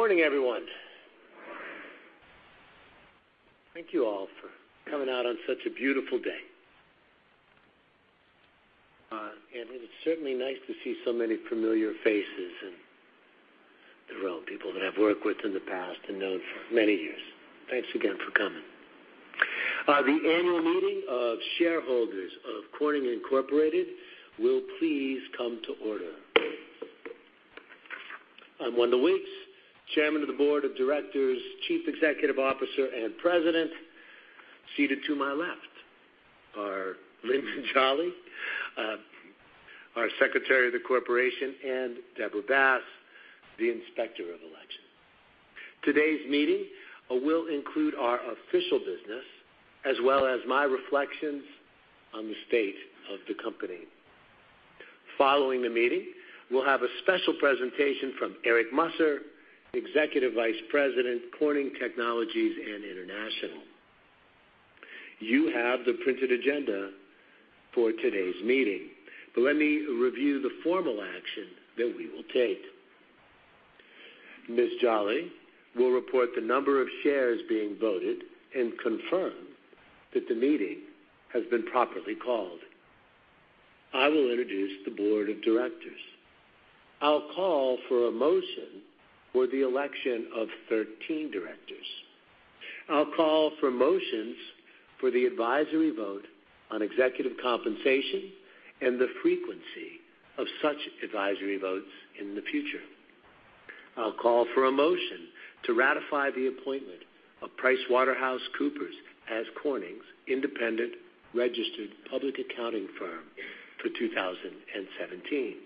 Morning, everyone. Morning. Thank you all for coming out on such a beautiful day. It's certainly nice to see so many familiar faces and their own people that I've worked with in the past and known for many years. Thanks again for coming. The annual meeting of shareholders of Corning Incorporated will please come to order. I'm Wendell Weeks, Chairman of the Board of Directors, Chief Executive Officer, and President. Seated to my left are Linda Jolly, our Secretary of the Corporation, and Debra Bass, the Inspector of Election. Today's meeting will include our official business as well as my reflections on the state of the company. Following the meeting, we'll have a special presentation from Eric Musser, Executive Vice President, Corning Technologies and International. You have the printed agenda for today's meeting, let me review the formal action that we will take. Ms. Jolly will report the number of shares being voted and confirm that the meeting has been properly called. I will introduce the board of directors. I'll call for a motion for the election of 13 directors. I'll call for motions for the advisory vote on executive compensation and the frequency of such advisory votes in the future. I'll call for a motion to ratify the appointment of PricewaterhouseCoopers as Corning's independent registered public accounting firm for 2017.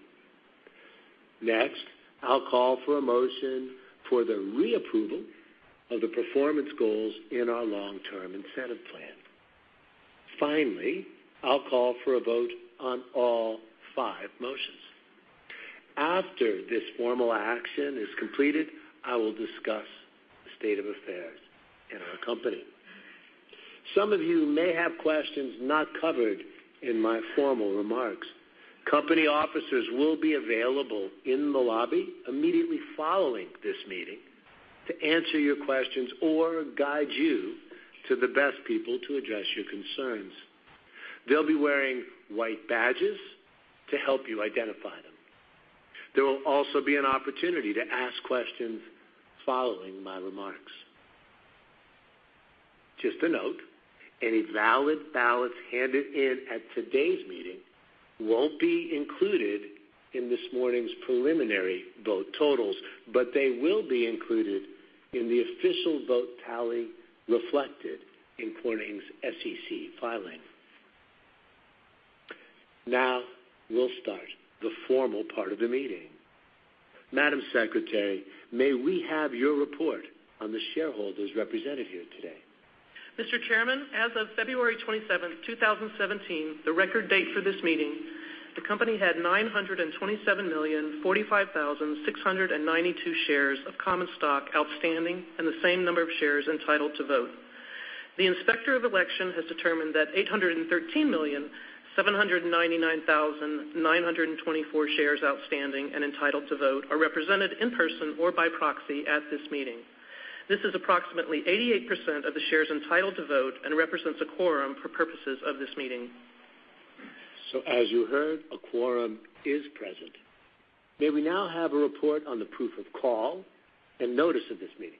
Next, I'll call for a motion for the re-approval of the performance goals in our Long-Term Incentive Plan. Finally, I'll call for a vote on all five motions. After this formal action is completed, I will discuss the state of affairs in our company. Some of you may have questions not covered in my formal remarks. Company officers will be available in the lobby immediately following this meeting to answer your questions or guide you to the best people to address your concerns. They'll be wearing white badges to help you identify them. There will also be an opportunity to ask questions following my remarks. Just a note, any valid ballots handed in at today's meeting won't be included in this morning's preliminary vote totals, they will be included in the official vote tally reflected in Corning's SEC filing. Now, we'll start the formal part of the meeting. Madam Secretary, may we have your report on the shareholders represented here today? Mr. Chairman, as of February 27, 2017, the record date for this meeting, the company had 927,045,692 shares of common stock outstanding and the same number of shares entitled to vote. The Inspector of Election has determined that 813,799,924 shares outstanding and entitled to vote are represented in person or by proxy at this meeting. This is approximately 88% of the shares entitled to vote and represents a quorum for purposes of this meeting. As you heard, a quorum is present. May we now have a report on the proof of call and notice of this meeting?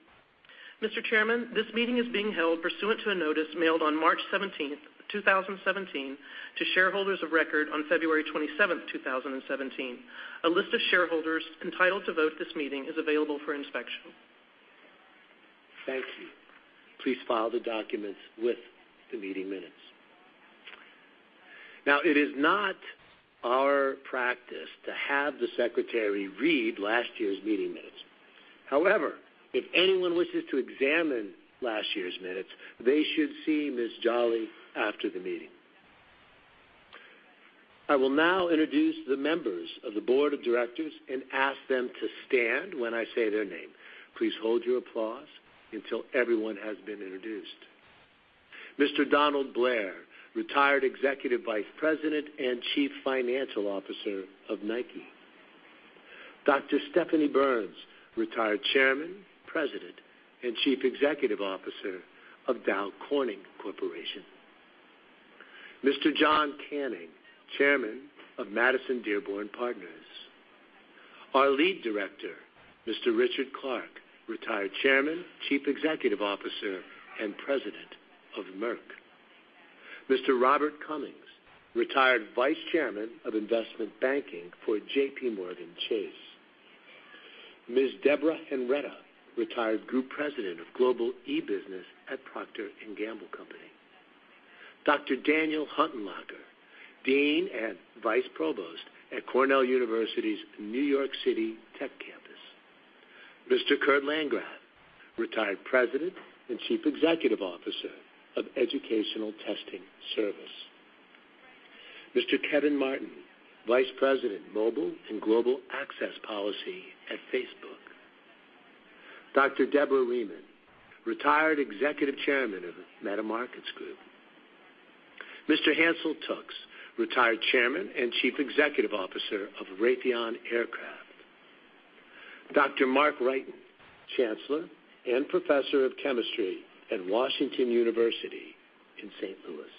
Mr. Chairman, this meeting is being held pursuant to a notice mailed on March 17, 2017, to shareholders of record on February 27, 2017. A list of shareholders entitled to vote at this meeting is available for inspection. Thank you. Please file the documents with the meeting minutes. It is not our practice to have the secretary read last year's meeting minutes. However, if anyone wishes to examine last year's minutes, they should see Ms. Jolly after the meeting. I will now introduce the members of the board of directors and ask them to stand when I say their name. Please hold your applause until everyone has been introduced. Mr. Donald Blair, retired Executive Vice President and Chief Financial Officer of NIKE. Dr. Stephanie Burns, retired Chairman, President, and Chief Executive Officer of Dow Corning Corporation. Mr. John Canning, Chairman of Madison Dearborn Partners. Our lead director, Mr. Richard Clark, retired Chairman, Chief Executive Officer, and President of Merck & Co., Inc.. Mr. Robert Cummings, retired Vice Chairman of Investment Banking for JPMorgan Chase & Co.. Ms. Deborah Henretta, retired Group President of Global e-Business at The Procter & Gamble Company. Dr. Daniel Huttenlocher, Dean and Vice Provost at Cornell University's New York City Tech campus. Mr. Kurt Landgraf, retired President and Chief Executive Officer of Educational Testing Service. Mr. Kevin Martin, Vice President, Mobile and Global Access Policy at Facebook. Dr. Deborah Rieman, retired Executive Chairman of Metamarkets Group, Inc. Mr. Hansel Tookes, retired Chairman and Chief Executive Officer of Raytheon Aircraft Company. Dr. Mark Wrighton, Chancellor and Professor of Chemistry at Washington University in St. Louis.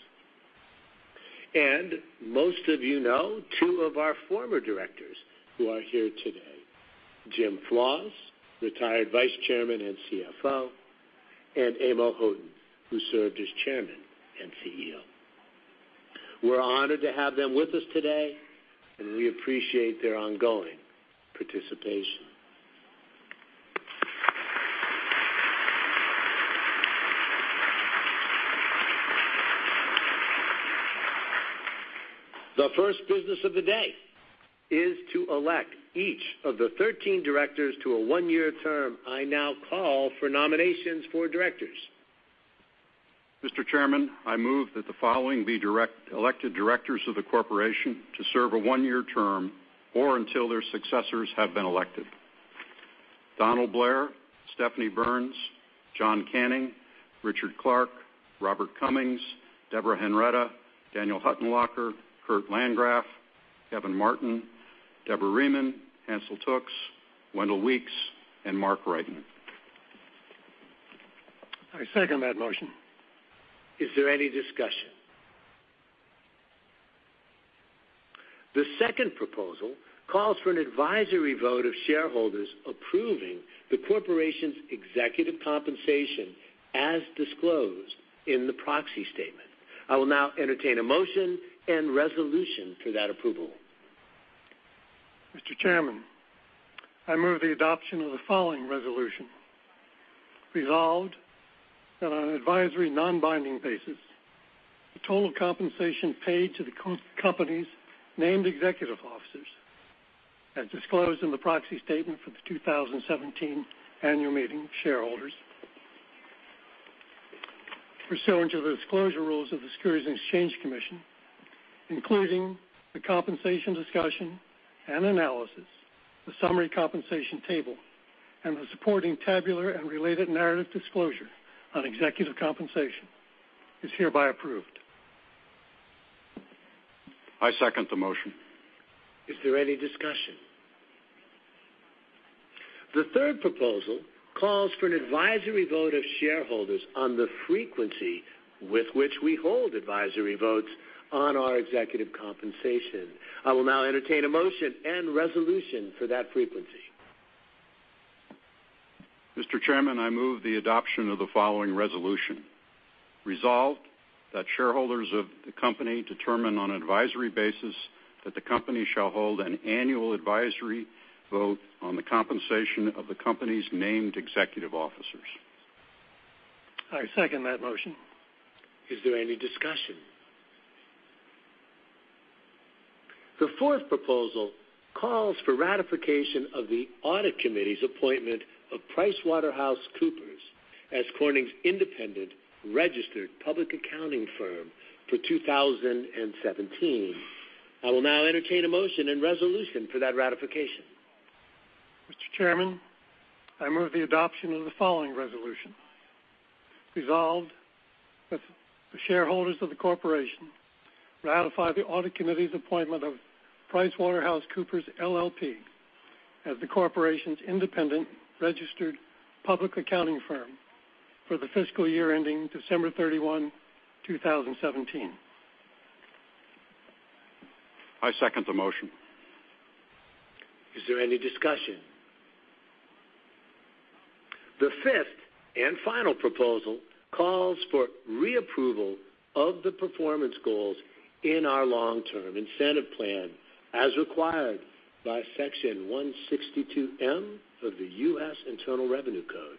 Most of you know two of our former directors who are here today, James Flaws, retired Vice Chairman and CFO, and Amo Houghton, who served as Chairman and CEO. We are honored to have them with us today, and we appreciate their ongoing participation. The first business of the day is to elect each of the 13 directors to a one-year term. I now call for nominations for directors. Mr. Chairman, I move that the following be elected directors of the corporation to serve a one-year term or until their successors have been elected: Donald Blair, Stephanie Burns, John Canning, Richard Clark, Robert Cummings, Deborah Henretta, Daniel Huttenlocher, Kurt Landgraf, Kevin Martin, Deborah Rieman, Hansel Tookes, Wendell Weeks, and Mark Wrighton. I second that motion. Is there any discussion? The second proposal calls for an advisory vote of shareholders approving the corporation's executive compensation as disclosed in the proxy statement. I will now entertain a motion and resolution for that approval. Mr. Chairman, I move the adoption of the following resolution. Resolved that on an advisory, non-binding basis, the total compensation paid to the company's named executive officers, as disclosed in the proxy statement for the 2017 annual meeting of shareholders pursuant to the disclosure rules of the Securities and Exchange Commission, including the compensation discussion and analysis, the summary compensation table, and the supporting tabular and related narrative disclosure on executive compensation, is hereby approved. I second the motion. Is there any discussion? The third proposal calls for an advisory vote of shareholders on the frequency with which we hold advisory votes on our executive compensation. I will now entertain a motion and resolution for that frequency. Mr. Chairman, I move the adoption of the following resolution. Resolved, that shareholders of the company determine on an advisory basis that the company shall hold an annual advisory vote on the compensation of the company's named executive officers. I second that motion. Is there any discussion? The fourth proposal calls for ratification of the Audit Committee's appointment of PricewaterhouseCoopers as Corning's independent registered public accounting firm for 2017. I will now entertain a motion and resolution for that ratification. Mr. Chairman, I move the adoption of the following resolution. Resolved, that the shareholders of the corporation ratify the Audit Committee's appointment of PricewaterhouseCoopers LLP as the corporation's independent registered public accounting firm for the fiscal year ending December 31, 2017. I second the motion. Is there any discussion? The fifth and final proposal calls for reapproval of the performance goals in our long-term incentive plan, as required by Section 162(m) of the U.S. Internal Revenue Code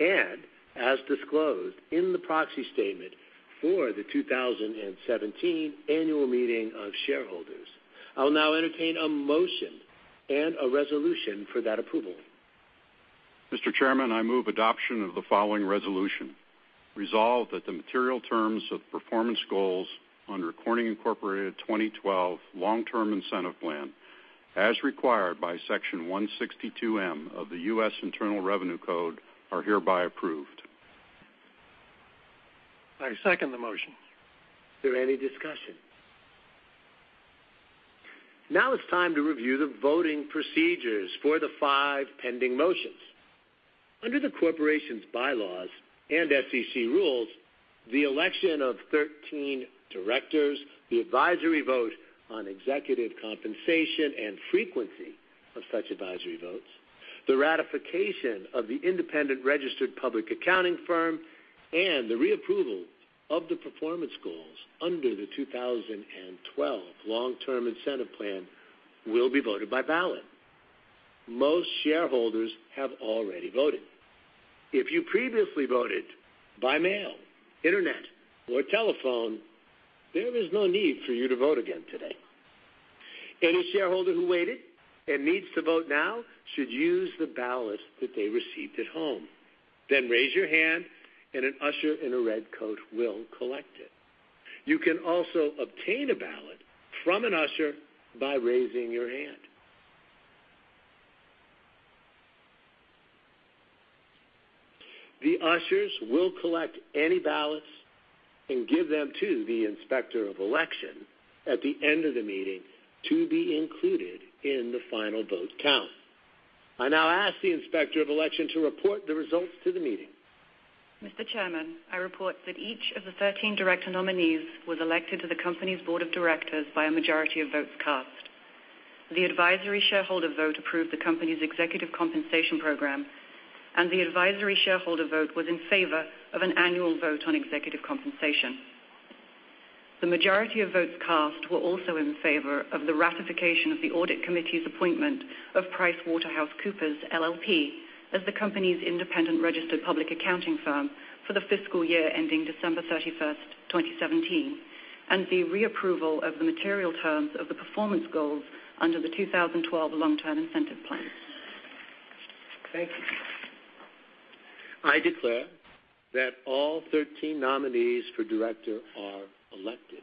and as disclosed in the proxy statement for the 2017 annual meeting of shareholders. I will now entertain a motion and a resolution for that approval. Mr. Chairman, I move adoption of the following resolution. Resolved, that the material terms of performance goals under Corning Incorporated 2012 Long-Term Incentive Plan, as required by Section 162(m) of the U.S. Internal Revenue Code, are hereby approved. I second the motion. Is there any discussion? Now it's time to review the voting procedures for the five pending motions. Under the corporation's bylaws and SEC rules, the election of 13 directors, the advisory vote on executive compensation and frequency of such advisory votes, the ratification of the independent registered public accounting firm, and the reapproval of the performance goals under the 2012 Long-Term Incentive Plan will be voted by ballot. Most shareholders have already voted. If you previously voted by mail, internet, or telephone, there is no need for you to vote again today. Any shareholder who waited and needs to vote now should use the ballot that they received at home. Raise your hand and an usher in a red coat will collect it. You can also obtain a ballot from an usher by raising your hand. The ushers will collect any ballots and give them to the Inspector of Election at the end of the meeting to be included in the final vote count. I now ask the Inspector of Election to report the results to the meeting. Mr. Chairman, I report that each of the 13 director nominees was elected to the company's Board of Directors by a majority of votes cast. The advisory shareholder vote approved the company's executive compensation program. The advisory shareholder vote was in favor of an annual vote on executive compensation. The majority of votes cast were also in favor of the ratification of the audit committee's appointment of PricewaterhouseCoopers LLP as the company's independent registered public accounting firm for the fiscal year ending December 31st, 2017, and the re-approval of the material terms of the performance goals under the 2012 Long-Term Incentive Plan. Thank you. I declare that all 13 nominees for director are elected.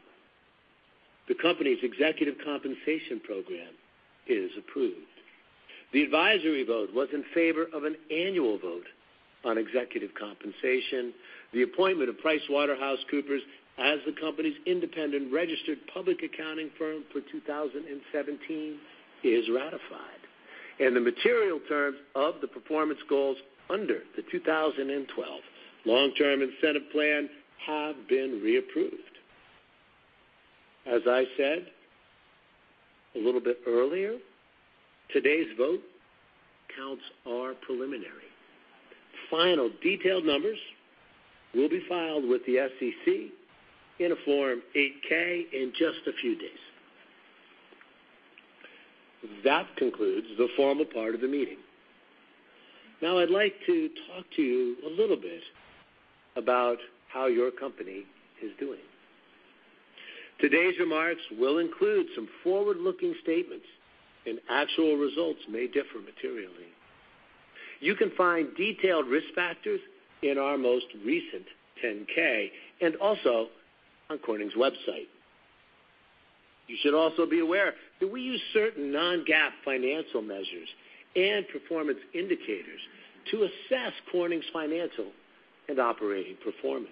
The company's executive compensation program is approved. The advisory vote was in favor of an annual vote on executive compensation. The appointment of PricewaterhouseCoopers as the company's independent registered public accounting firm for 2017 is ratified. The material terms of the performance goals under the 2012 Long-Term Incentive Plan have been re-approved. As I said a little bit earlier, today's vote counts are preliminary. Final detailed numbers will be filed with the SEC in a Form 8-K in just a few days. That concludes the formal part of the meeting. I'd like to talk to you a little bit about how your company is doing. Today's remarks will include some forward-looking statements. Actual results may differ materially. You can find detailed risk factors in our most recent 10-K and also on Corning's website. You should also be aware that we use certain non-GAAP financial measures and performance indicators to assess Corning's financial and operating performance.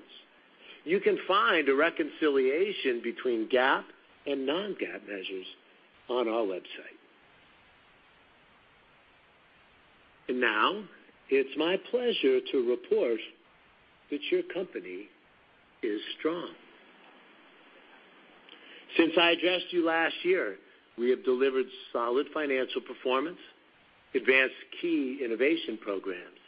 You can find a reconciliation between GAAP and non-GAAP measures on our website. Now it's my pleasure to report that your company is strong. Since I addressed you last year, we have delivered solid financial performance, advanced key innovation programs,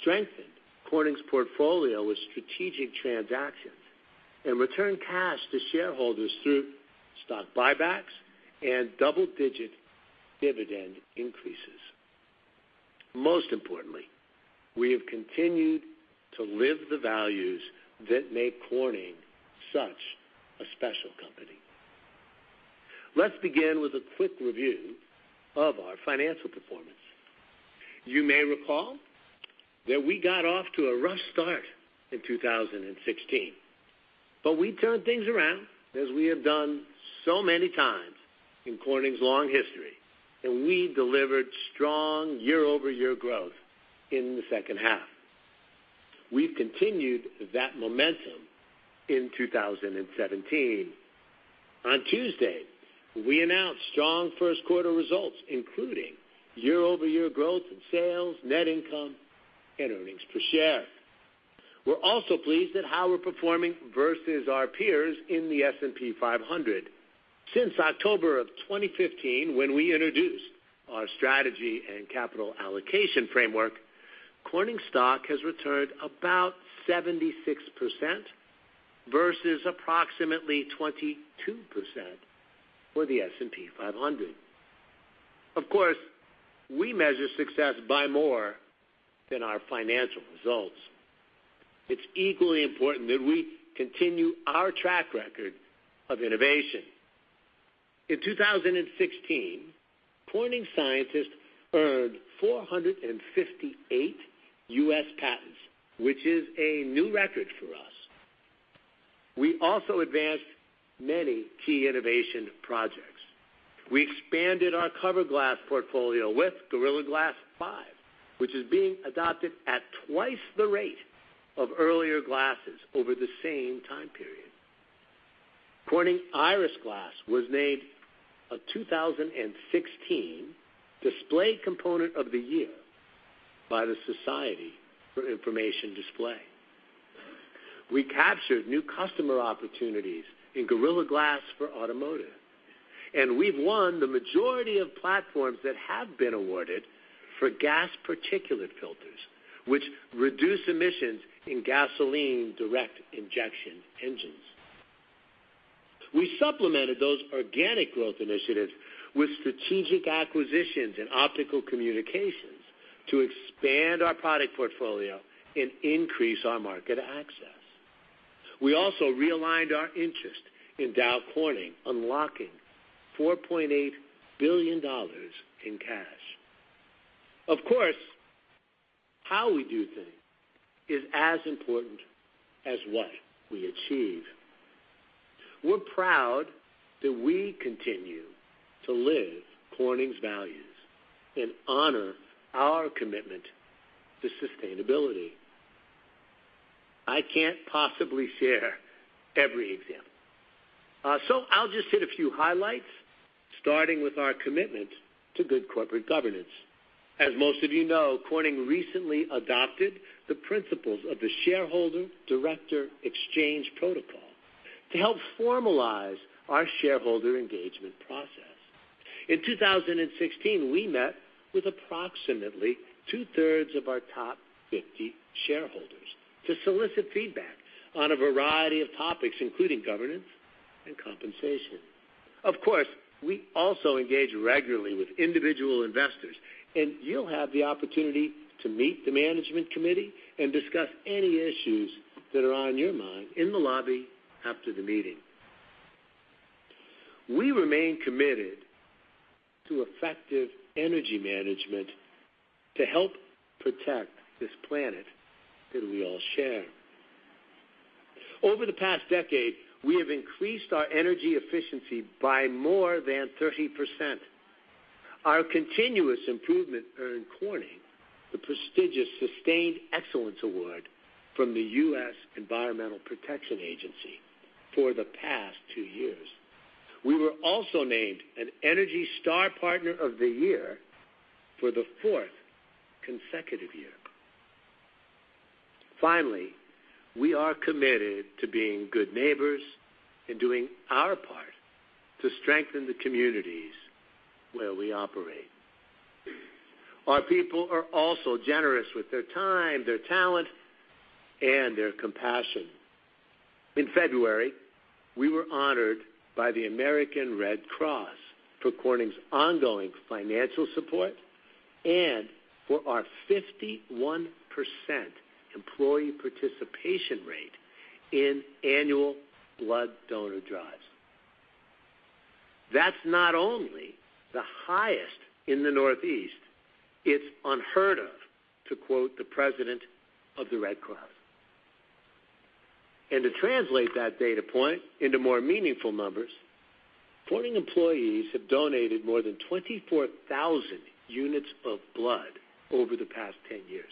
strengthened Corning's portfolio with strategic transactions, and returned cash to shareholders through stock buybacks and double-digit dividend increases. Most importantly, we have continued to live the values that make Corning such a special company. Let's begin with a quick review of our financial performance. You may recall that we got off to a rough start in 2016. We turned things around as we have done so many times in Corning's long history, and we delivered strong year-over-year growth in the second half. We've continued that momentum in 2017. On Tuesday, we announced strong first quarter results, including year-over-year growth in sales, net income, and earnings per share. We're also pleased at how we're performing versus our peers in the S&P 500. Since October of 2015, when we introduced our strategy and capital allocation framework, Corning stock has returned about 76% versus approximately 22% for the S&P 500. We measure success by more than our financial results. It's equally important that we continue our track record of innovation. In 2016, Corning scientists earned 458 U.S. patents, which is a new record for us. We also advanced many key innovation projects. We expanded our cover glass portfolio with Gorilla Glass 5, which is being adopted at twice the rate of earlier glasses over the same time period. Corning Iris Glass was named a 2016 Display Component of the Year by the Society for Information Display. We captured new customer opportunities in Gorilla Glass for Automotive, and we've won the majority of platforms that have been awarded for gas particulate filters, which reduce emissions in gasoline direct injection engines. We supplemented those organic growth initiatives with strategic acquisitions in Optical Communications to expand our product portfolio and increase our market access. We also realigned our interest in Dow Corning, unlocking $4.8 billion in cash. How we do things is as important as what we achieve. We're proud that we continue to live Corning's values and honor our commitment to sustainability. I can't possibly share every example, so I'll just hit a few highlights, starting with our commitment to good corporate governance. As most of you know, Corning recently adopted the principles of the Shareholder-Director Exchange Protocol to help formalize our shareholder engagement process. In 2016, we met with approximately two-thirds of our top 50 shareholders to solicit feedback on a variety of topics, including governance and compensation. We also engage regularly with individual investors, and you'll have the opportunity to meet the management committee and discuss any issues that are on your mind in the lobby after the meeting. We remain committed to effective energy management to help protect this planet that we all share. Over the past decade, we have increased our energy efficiency by more than 30%. Our continuous improvement earned Corning the prestigious Sustained Excellence Award from the U.S. Environmental Protection Agency for the past two years. We were also named an ENERGY STAR Partner of the Year for the fourth consecutive year. We are committed to being good neighbors and doing our part to strengthen the communities where we operate. Our people are also generous with their time, their talent, and their compassion. In February, we were honored by the American Red Cross for Corning's ongoing financial support and for our 51% employee participation rate in annual blood donor drives. That's not only the highest in the Northeast, it's unheard of, to quote the president of the Red Cross. To translate that data point into more meaningful numbers, Corning employees have donated more than 24,000 units of blood over the past 10 years,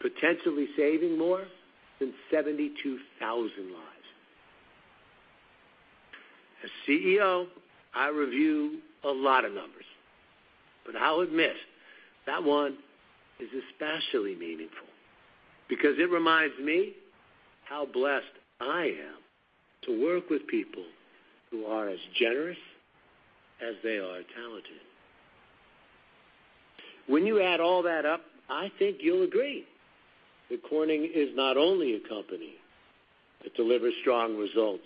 potentially saving more than 72,000 lives. As CEO, I review a lot of numbers, but I'll admit that one is especially meaningful because it reminds me how blessed I am to work with people who are as generous as they are talented. When you add all that up, I think you'll agree that Corning is not only a company that delivers strong results,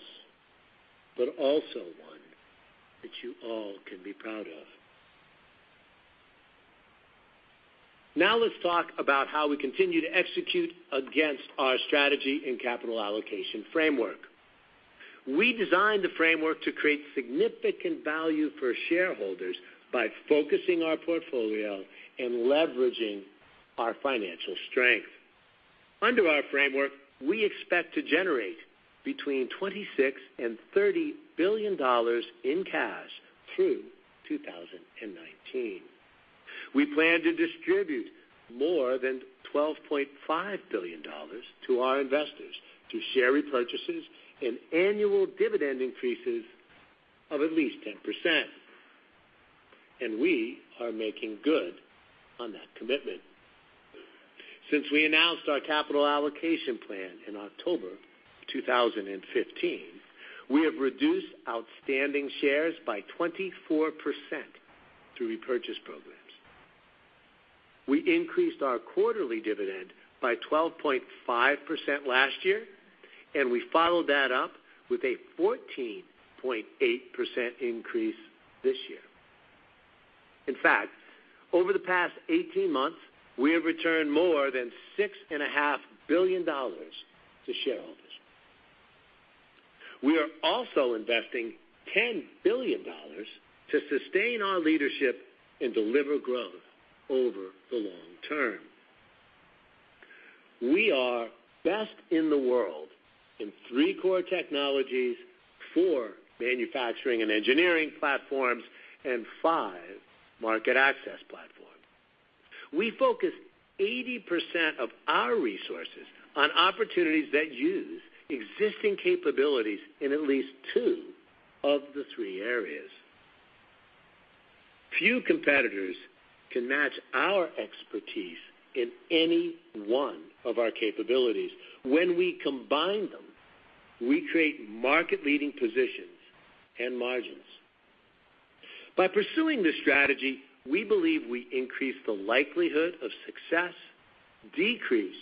but also one that you all can be proud of. Let's talk about how we continue to execute against our strategy and capital allocation framework. We designed the framework to create significant value for shareholders by focusing our portfolio and leveraging our financial strength. Under our framework, we expect to generate between $26 billion-$30 billion in cash through 2019. We plan to distribute more than $12.5 billion to our investors through share repurchases and annual dividend increases of at least 10%, and we are making good on that commitment. Since we announced our capital allocation plan in October 2015, we have reduced outstanding shares by 24% through repurchase programs. We increased our quarterly dividend by 12.5% last year. We followed that up with a 14.8% increase this year. In fact, over the past 18 months, we have returned more than $6.5 billion to shareholders. We are also investing $10 billion to sustain our leadership and deliver growth over the long term. We are best in the world in three core technologies, four manufacturing and engineering platforms, and five market access platform. We focus 80% of our resources on opportunities that use existing capabilities in at least two of the three areas. Few competitors can match our expertise in any one of our capabilities. When we combine them, we create market-leading positions and margins. By pursuing this strategy, we believe we increase the likelihood of success, decrease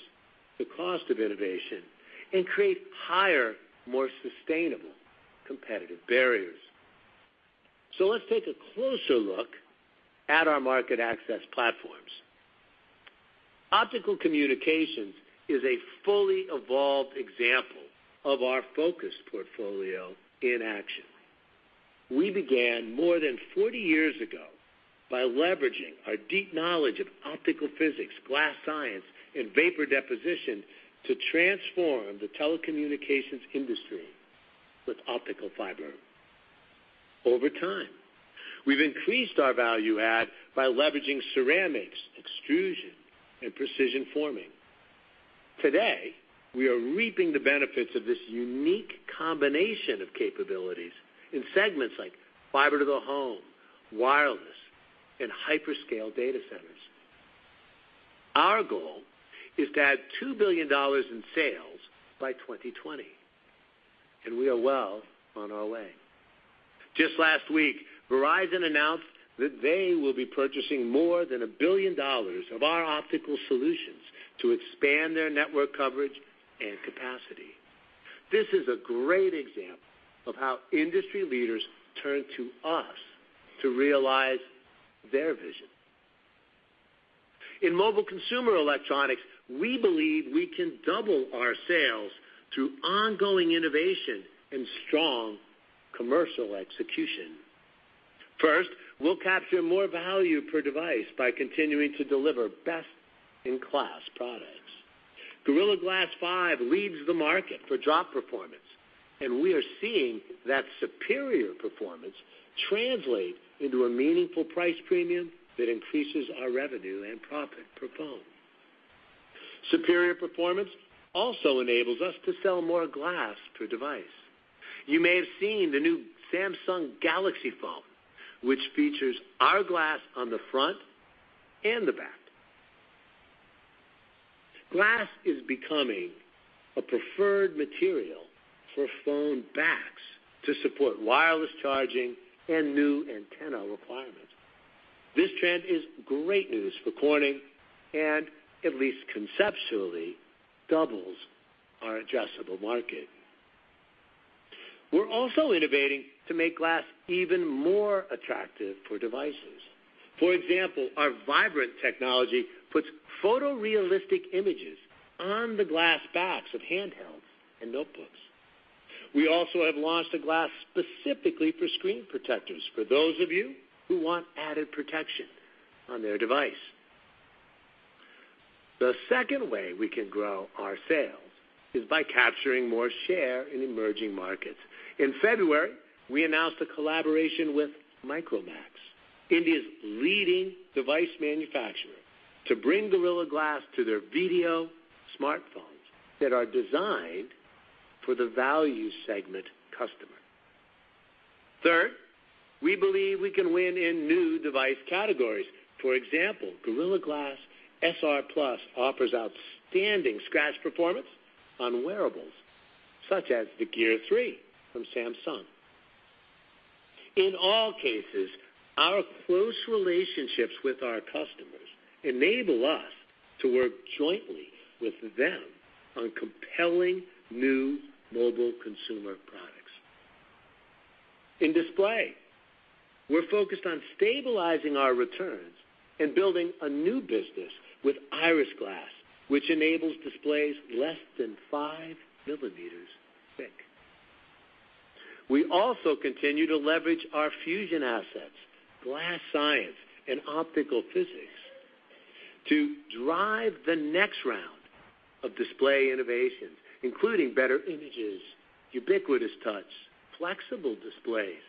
the cost of innovation, and create higher, more sustainable competitive barriers. Let's take a closer look at our market access platforms. Optical Communications is a fully evolved example of our focused portfolio in action. We began more than 40 years ago by leveraging our deep knowledge of optical physics, glass science and vapor deposition to transform the telecommunications industry with optical fiber. Over time, we've increased our value add by leveraging ceramics, extrusion and precision forming. Today, we are reaping the benefits of this unique combination of capabilities in segments like Fiber to the home, wireless and hyperscale data centers. Our goal is to add $2 billion in sales by 2020. We are well on our way. Just last week, Verizon announced that they will be purchasing more than $1 billion of our optical solutions to expand their network coverage and capacity. This is a great example of how industry leaders turn to us to realize their vision. In mobile consumer electronics, we believe we can double our sales through ongoing innovation and strong commercial execution. First, we'll capture more value per device by continuing to deliver best-in-class products. Gorilla Glass 5 leads the market for drop performance. We are seeing that superior performance translate into a meaningful price premium that increases our revenue and profit per phone. Superior performance also enables us to sell more glass per device. You may have seen the new Samsung Galaxy phone, which features our glass on the front and the back. Glass is becoming a preferred material for phone backs to support wireless charging and new antenna requirements. This trend is great news for Corning and at least conceptually, doubles our addressable market. We're also innovating to make glass even more attractive for devices. For example, our Vibrant technology puts photorealistic images on the glass backs of handhelds and notebooks. We also have launched a glass specifically for screen protectors, for those of you who want added protection on their device. The second way we can grow our sales is by capturing more share in emerging markets. In February, we announced a collaboration with Micromax, India's leading device manufacturer, to bring Gorilla Glass to their Vdeo smartphones that are designed for the value segment customer. Third, we believe we can win in new device categories. For example, Gorilla Glass SR+ offers outstanding scratch performance on wearables such as the Gear S3 from Samsung. In all cases, our close relationships with our customers enable us to work jointly with them on compelling new mobile consumer products. In display, we're focused on stabilizing our returns and building a new business with Iris Glass, which enables displays less than five millimeters thick. We also continue to leverage our fusion assets, glass science and optical physics to drive the next round of display innovations, including better images, ubiquitous touch, flexible displays,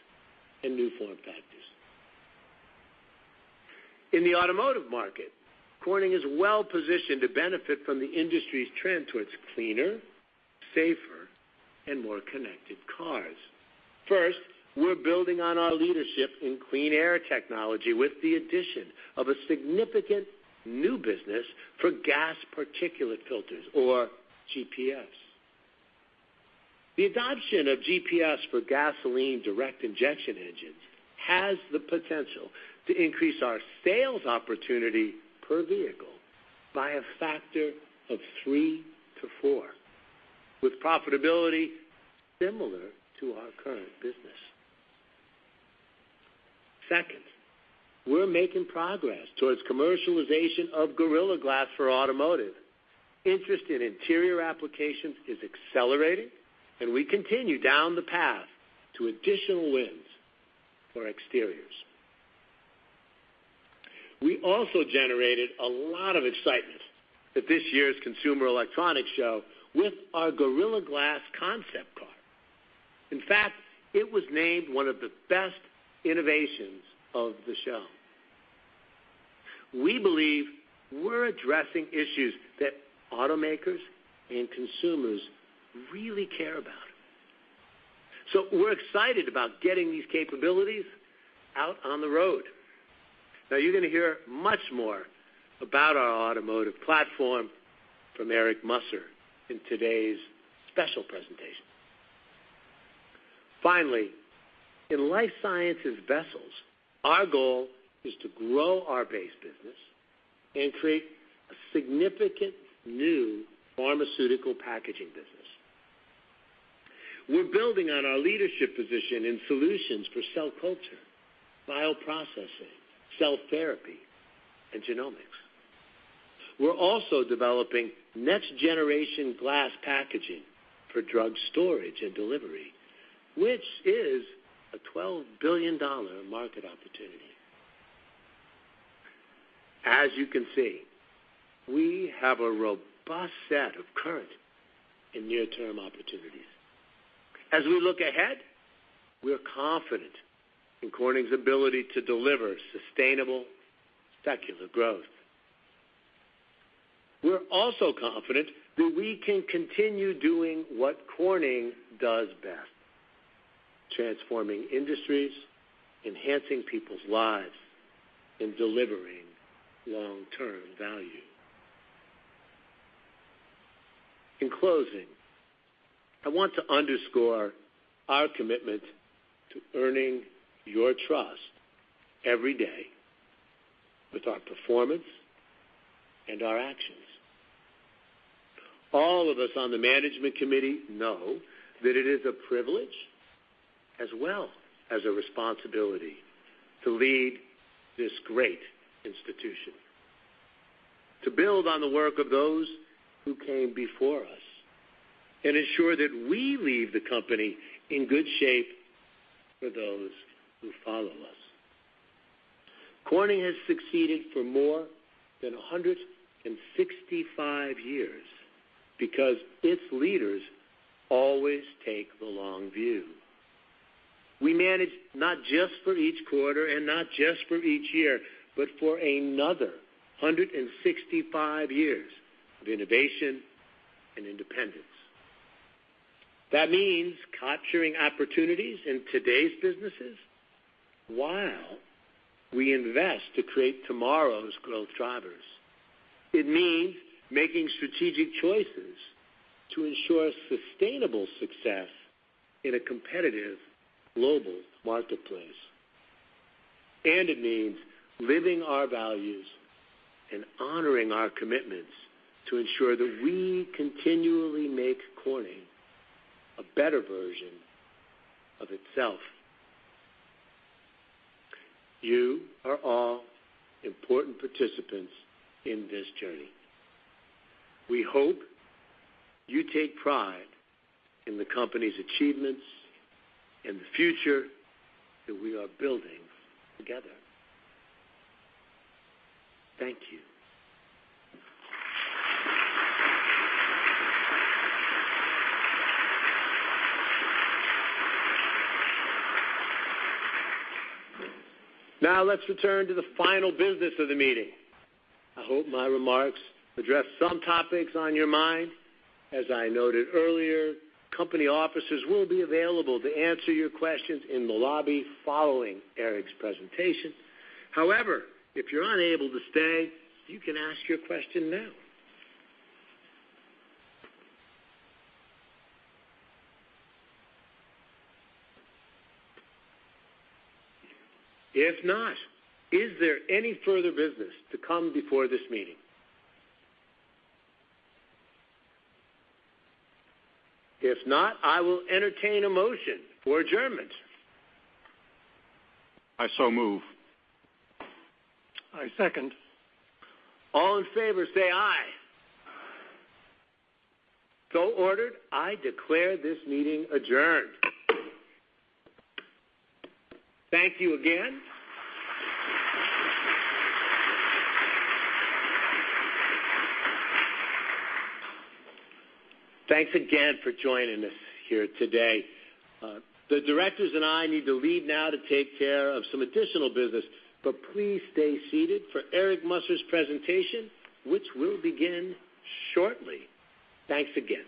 and new form factors. In the automotive market, Corning is well positioned to benefit from the industry's trend towards cleaner, safer, and more connected cars. First, we're building on our leadership in clean air technology with the addition of a significant new business for gasoline particulate filters or GPFs. The adoption of GPFs for gasoline direct injection engines has the potential to increase our sales opportunity per vehicle by a factor of three to four, with profitability similar to our current business. Second, we're making progress towards commercialization of Gorilla Glass for Automotive. Interest in interior applications is accelerating, and we continue down the path to additional wins for exteriors. We also generated a lot of excitement at this year's Consumer Electronics Show with our Gorilla Glass concept car. In fact, it was named one of the best innovations of the show. We believe we're addressing issues that automakers and consumers really care about, so we're excited about getting these capabilities out on the road. Now you're going to hear much more about our automotive platform from Eric Musser in today's special presentation. Finally, in Life Sciences Vessels, our goal is to grow our base business and create a significant new pharmaceutical packaging business. We're building on our leadership position in solutions for cell culture, bioprocessing, cell therapy, and genomics. We're also developing next-generation glass packaging for drug storage and delivery, which is a $12 billion market opportunity. As you can see, we have a robust set of current and near-term opportunities. As we look ahead, we're confident in Corning's ability to deliver sustainable, secular growth. We're also confident that we can continue doing what Corning does best, transforming industries, enhancing people's lives, and delivering long-term value. In closing, I want to underscore our commitment to earning your trust every day with our performance and our actions. All of us on the management committee know that it is a privilege as well as a responsibility to lead this great institution, to build on the work of those who came before us and ensure that we leave the company in good shape for those who follow us. Corning has succeeded for more than 165 years because its leaders always take the long view. We manage not just for each quarter and not just for each year, but for another 165 years of innovation and independence. That means capturing opportunities in today's businesses while we invest to create tomorrow's growth drivers. It means making strategic choices to ensure sustainable success in a competitive global marketplace. It means living our values and honoring our commitments to ensure that we continually make Corning a better version of itself. You are all important participants in this journey. We hope you take pride in the company's achievements and the future that we are building together. Thank you. Now let's return to the final business of the meeting. I hope my remarks addressed some topics on your mind. As I noted earlier, company officers will be available to answer your questions in the lobby following Eric's presentation. However, if you're unable to stay, you can ask your question now. If not, is there any further business to come before this meeting? If not, I will entertain a motion for adjournment. I so move. I second. All in favor say aye. Ordered. I declare this meeting adjourned. Thank you again. Thanks again for joining us here today. The directors and I need to leave now to take care of some additional business, please stay seated for Eric Musser's presentation, which will begin shortly. Thanks again.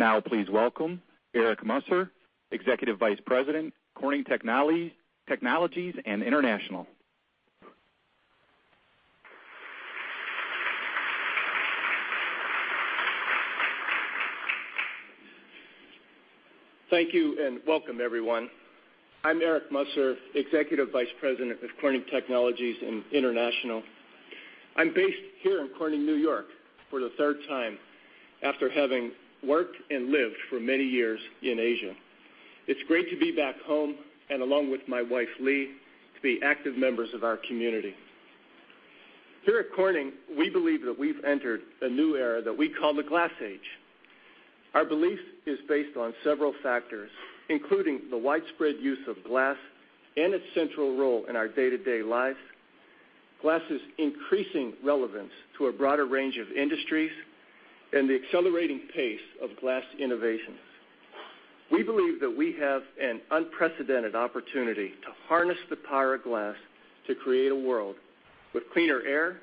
Now please welcome Eric Musser, Executive Vice President, Corning Technologies and International. Thank you, and welcome, everyone. I'm Eric Musser, Executive Vice President of Corning Technologies and International. I'm based here in Corning, N.Y., for the third time after having worked and lived for many years in Asia. It's great to be back home and, along with my wife, Lee, to be active members of our community. Here at Corning, we believe that we've entered a new era that we call the Glass Age. Our belief is based on several factors, including the widespread use of glass and its central role in our day-to-day lives. glass' increasing relevance to a broader range of industries and the accelerating pace of glass innovations. We believe that we have an unprecedented opportunity to harness the power of glass to create a world with cleaner air,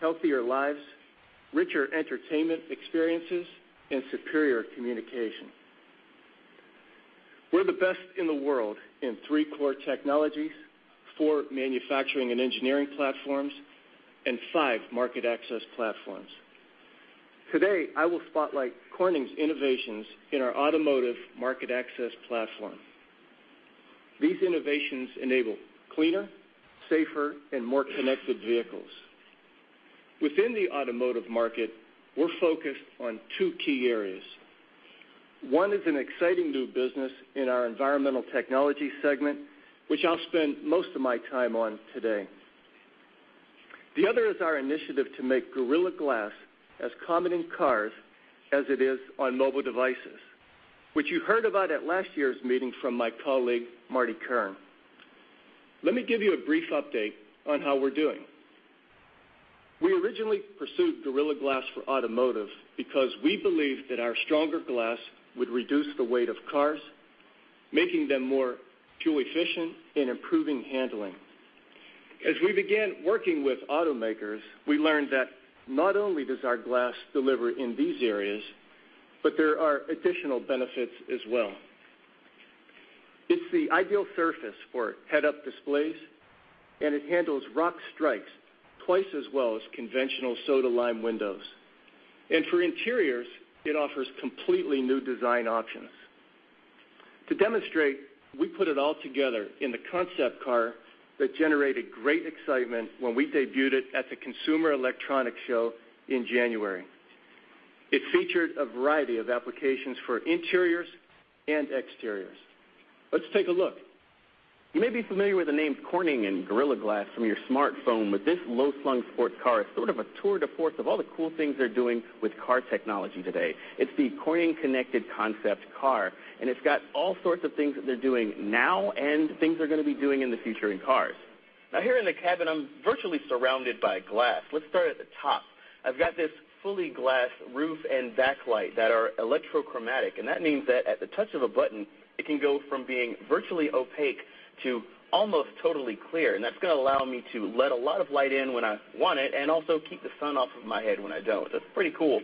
healthier lives, richer entertainment experiences, and superior communication. We're the best in the world in three core technologies, four manufacturing and engineering platforms, and five market access platforms. Today, I will spotlight Corning's innovations in our automotive market access platform. These innovations enable cleaner, safer, and more connected vehicles. Within the automotive market, we're focused on two key areas. One is an exciting new business in our Environmental Technologies segment, which I'll spend most of my time on today. The other is our initiative to make Gorilla Glass as common in cars as it is on mobile devices, which you heard about at last year's meeting from my colleague, Marty Kern. Let me give you a brief update on how we're doing. We originally pursued Gorilla Glass for Automotive because we believed that our stronger glass would reduce the weight of cars, making them more fuel-efficient and improving handling. As we began working with automakers, we learned that not only does our glass deliver in these areas, but there are additional benefits as well. It's the ideal surface for head-up displays, and it handles rock strikes twice as well as conventional soda-lime windows. For interiors, it offers completely new design options. To demonstrate, we put it all together in the concept car that generated great excitement when we debuted it at the Consumer Electronics Show in January. It featured a variety of applications for interiors and exteriors. Let's take a look. You may be familiar with the names Corning and Gorilla Glass from your smartphone, but this low-slung sports car is sort of a tour de force of all the cool things they are doing with car technology today. It is the Corning Connected Concept Car, and it has all sorts of things that they are doing now and things they are going to be doing in the future in cars. Here in the cabin, I am virtually surrounded by glass. Let us start at the top. I have got this fully glass roof and backlight that are electrochromatic, and that means that at the touch of a button, it can go from being virtually opaque to almost totally clear. That is going to allow me to let a lot of light in when I want it and also keep the sun off of my head when I do not. That is pretty cool.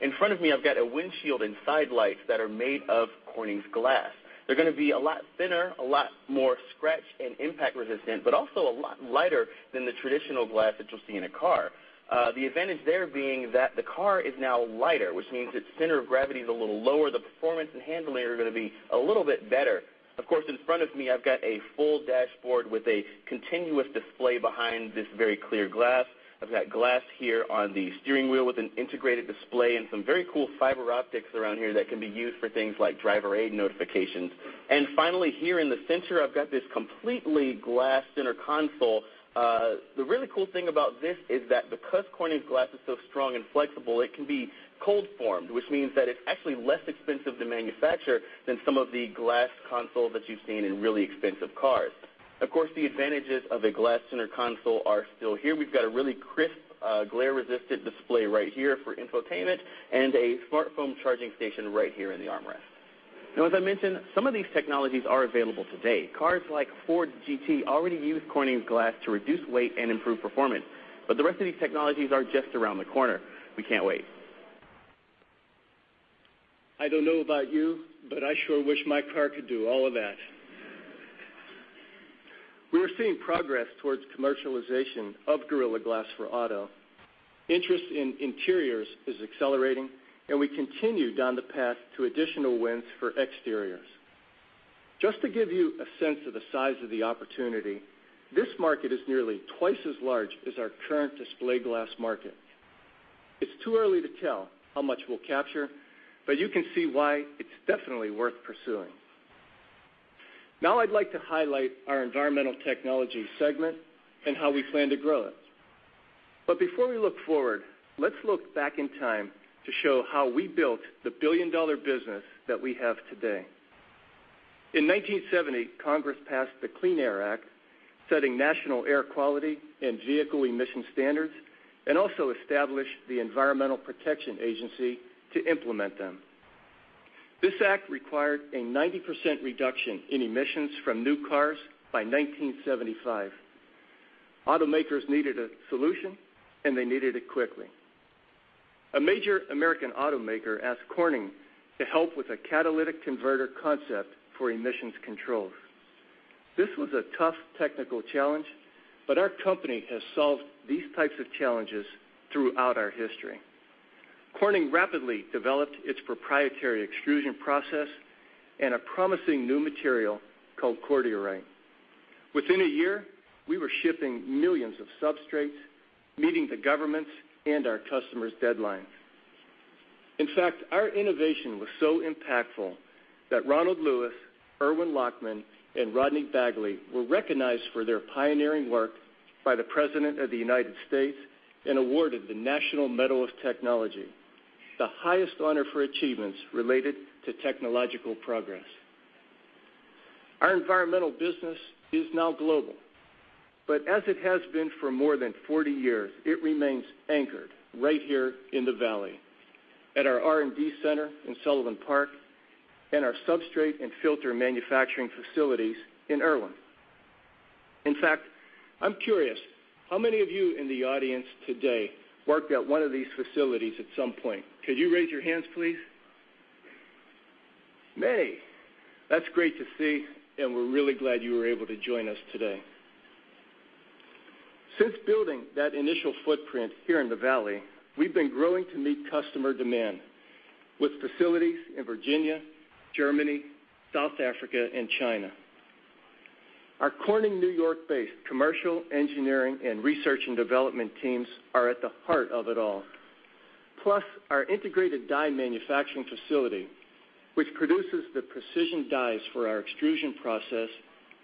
In front of me, I have got a windshield and side lights that are made of Corning’s glass. They are going to be a lot thinner, a lot more scratch and impact resistant, but also a lot lighter than the traditional glass that you will see in a car. The advantage there being that the car is now lighter, which means its center of gravity is a little lower. The performance and handling are going to be a little bit better. In front of me, I have got a full dashboard with a continuous display behind this very clear glass. I have got glass here on the steering wheel with an integrated display and some very cool fiber optics around here that can be used for things like driver aid notifications. Finally, here in the center, I have got this completely glass center console. The really cool thing about this is that because Corning’s glass is so strong and flexible, it can be cold formed, which means that it is actually less expensive to manufacture than some of the glass consoles that you have seen in really expensive cars. The advantages of a glass center console are still here. We have got a really crisp, glare-resistant display right here for infotainment and a smartphone charging station right here in the armrest. As I mentioned, some of these technologies are available today. Cars like Ford GT already use Corning’s glass to reduce weight and improve performance. The rest of these technologies are just around the corner. We cannot wait. I do not know about you, but I sure wish my car could do all of that. We are seeing progress towards commercialization of Gorilla Glass for auto. Interest in interiors is accelerating, and we continue down the path to additional wins for exteriors. Just to give you a sense of the size of the opportunity, this market is nearly twice as large as our current display glass market. It is too early to tell how much we will capture, but you can see why it is definitely worth pursuing. I would like to highlight our Environmental Technologies segment and how we plan to grow it. Before we look forward, let us look back in time to show how we built the billion-dollar business that we have today. In 1970, Congress passed the Clean Air Act, setting national air quality and vehicle emission standards, and also established the Environmental Protection Agency to implement them. This act required a 90% reduction in emissions from new cars by 1975. Automakers needed a solution, they needed it quickly. A major American automaker asked Corning to help with a catalytic converter concept for emissions controls. This was a tough technical challenge, our company has solved these types of challenges throughout our history. Corning rapidly developed its proprietary extrusion process and a promising new material called cordierite. Within a year, we were shipping millions of substrates, meeting the government's and our customers' deadlines. In fact, our innovation was so impactful that Ronald Lewis, Irwin Lachman, and Rodney Bagley were recognized for their pioneering work by the President of the United States and awarded the National Medal of Technology, the highest honor for achievements related to technological progress. Our environmental business is now global, as it has been for more than 40 years, it remains anchored right here in the valley at our R&D center in Sullivan Park, and our substrate and filter manufacturing facilities in Erwin. In fact, I'm curious, how many of you in the audience today worked at one of these facilities at some point? Could you raise your hands, please? Many. That's great to see, we're really glad you were able to join us today. Since building that initial footprint here in the valley, we've been growing to meet customer demand with facilities in Virginia, Germany, South Africa, and China. Our Corning, N.Y.-based commercial engineering and research and development teams are at the heart of it all. Our integrated die manufacturing facility, which produces the precision dies for our extrusion process,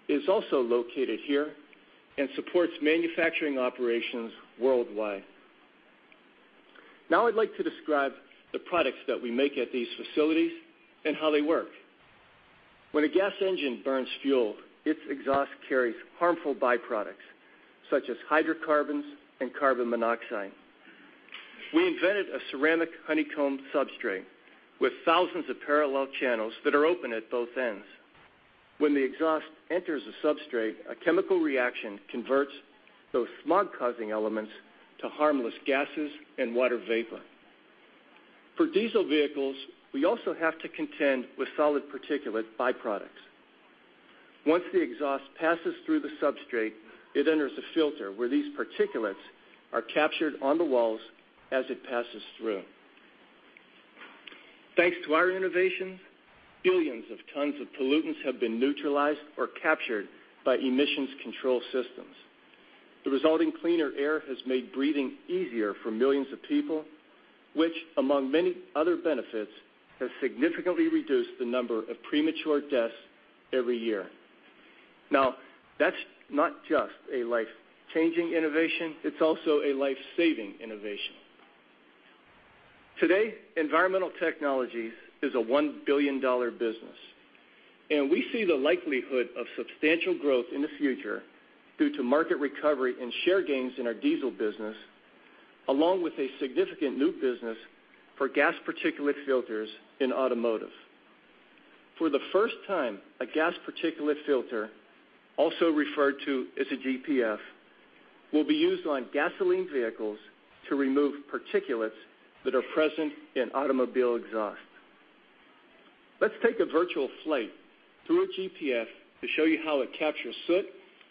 is also located here and supports manufacturing operations worldwide. I'd like to describe the products that we make at these facilities and how they work. When a gas engine burns fuel, its exhaust carries harmful byproducts, such as hydrocarbons and carbon monoxide. We invented a ceramic honeycomb substrate with thousands of parallel channels that are open at both ends. When the exhaust enters the substrate, a chemical reaction converts those smog-causing elements to harmless gases and water vapor. For diesel vehicles, we also have to contend with solid particulate byproducts. Once the exhaust passes through the substrate, it enters a filter where these particulates are captured on the walls as it passes through. Thanks to our innovations, billions of tons of pollutants have been neutralized or captured by emissions control systems. The resulting cleaner air has made breathing easier for millions of people, which among many other benefits, has significantly reduced the number of premature deaths every year. That's not just a life-changing innovation, it's also a life-saving innovation. Today, Environmental Technologies is a $1 billion business, we see the likelihood of substantial growth in the future due to market recovery and share gains in our diesel business, along with a significant new business for gas particulate filters in automotive. For the first time, a gas particulate filter, also referred to as a GPF, will be used on gasoline vehicles to remove particulates that are present in automobile exhaust. Let's take a virtual flight through a GPF to show you how it captures soot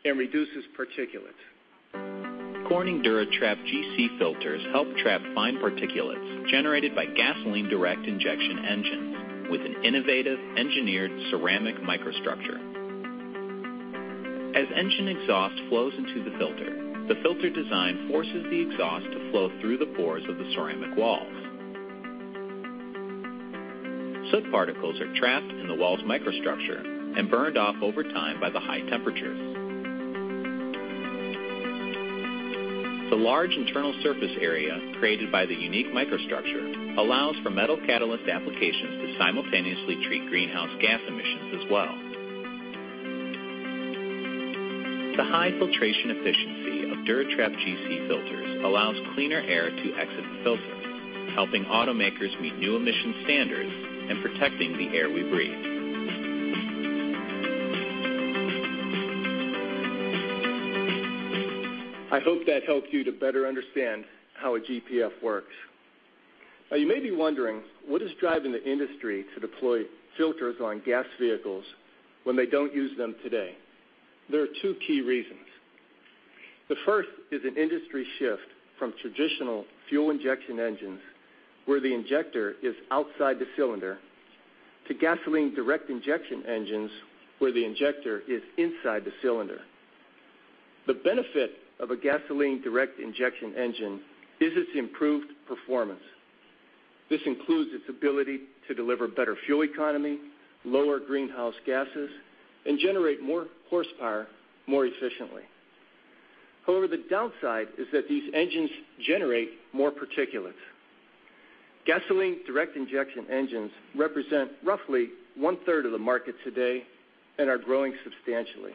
and reduces particulates. Corning DuraTrap GC filters help trap fine particulates generated by Gasoline Direct Injection engines with an innovative engineered ceramic microstructure. As engine exhaust flows into the filter, the filter design forces the exhaust to flow through the pores of the ceramic walls. Soot particles are trapped in the wall's microstructure and burned off over time by the high temperatures. The large internal surface area created by the unique microstructure allows for metal catalyst applications to simultaneously treat greenhouse gas emissions as well. The high filtration efficiency of DuraTrap GC filters allows cleaner air to exit the filter, helping automakers meet new emission standards and protecting the air we breathe. I hope that helps you to better understand how a GPF works. You may be wondering, what is driving the industry to deploy filters on gas vehicles when they don't use them today? There are two key reasons. The first is an industry shift from traditional fuel injection engines, where the injector is outside the cylinder, to Gasoline Direct Injection engines, where the injector is inside the cylinder. The benefit of a Gasoline Direct Injection engine is its improved performance. This includes its ability to deliver better fuel economy, lower greenhouse gases, and generate more horsepower more efficiently. However, the downside is that these engines generate more particulates. Gasoline Direct Injection engines represent roughly one-third of the market today and are growing substantially.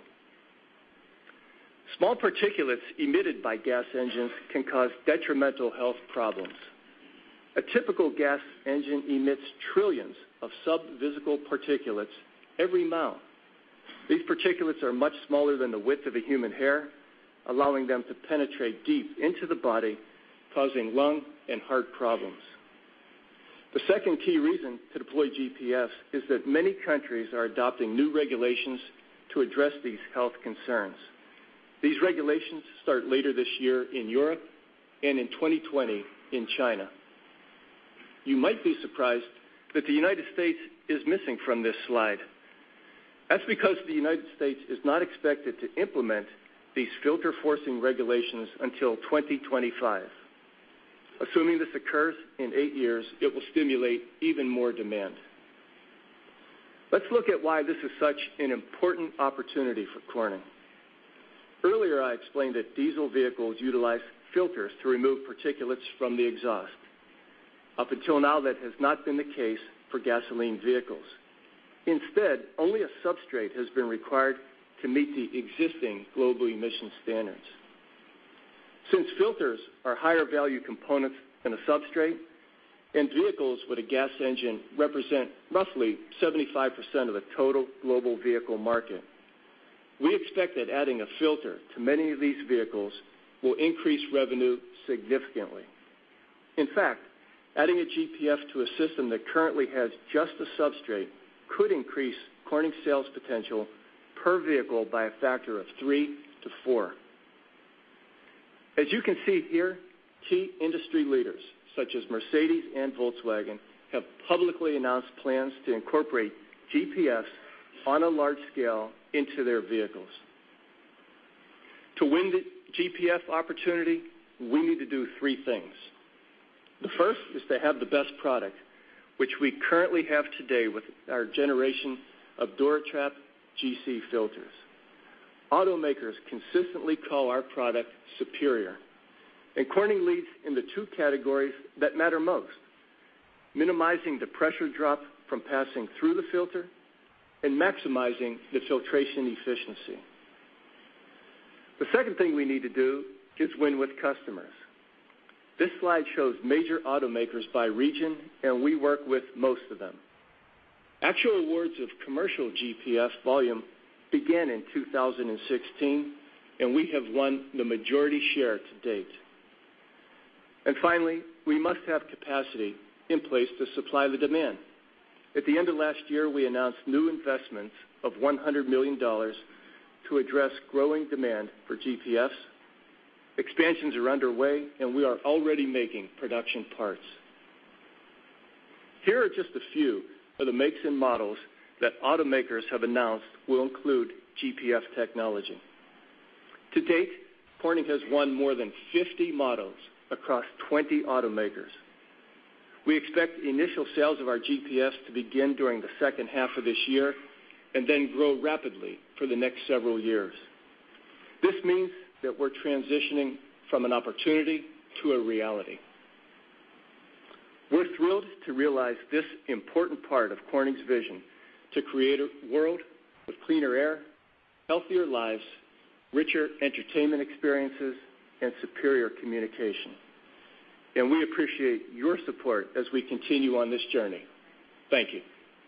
Small particulates emitted by gas engines can cause detrimental health problems. A typical gas engine emits trillions of subvisible particulates every mile. These particulates are much smaller than the width of a human hair, allowing them to penetrate deep into the body, causing lung and heart problems. The second key reason to deploy GPFs is that many countries are adopting new regulations to address these health concerns. These regulations start later this year in Europe and in 2020 in China. You might be surprised that the U.S. is missing from this slide. That's because the U.S. is not expected to implement these filter-forcing regulations until 2025. Assuming this occurs in eight years, it will stimulate even more demand. Let's look at why this is such an important opportunity for Corning. Earlier, I explained that diesel vehicles utilize filters to remove particulates from the exhaust. Up until now, that has not been the case for gasoline vehicles. Instead, only a substrate has been required to meet the existing global emission standards. Since filters are higher value components than a substrate, and vehicles with a gas engine represent roughly 75% of the total global vehicle market, we expect that adding a filter to many of these vehicles will increase revenue significantly. In fact, adding a GPF to a system that currently has just the substrate could increase Corning sales potential per vehicle by a factor of three to four. As you can see here, key industry leaders such as Mercedes and Volkswagen have publicly announced plans to incorporate GPFs on a large scale into their vehicles. To win the GPF opportunity, we need to do three things. The first is to have the best product, which we currently have today with our generation of DuraTrap GC filters. Automakers consistently call our product superior. Corning leads in the two categories that matter most, minimizing the pressure drop from passing through the filter and maximizing the filtration efficiency. The second thing we need to do is win with customers. This slide shows major automakers by region. We work with most of them. Actual awards of commercial GPF volume began in 2016. We have won the majority share to date. Finally, we must have capacity in place to supply the demand. At the end of last year, we announced new investments of $100 million to address growing demand for GPFs. Expansions are underway. We are already making production parts. Here are just a few of the makes and models that automakers have announced will include GPF technology. To date, Corning has won more than 50 models across 20 automakers. We expect the initial sales of our GPFs to begin during the second half of this year. Then grow rapidly for the next several years. This means that we're transitioning from an opportunity to a reality. We're thrilled to realize this important part of Corning's vision to create a world with cleaner air, healthier lives, richer entertainment experiences, and superior communication. We appreciate your support as we continue on this journey. Thank you.